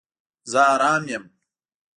زه آرام یم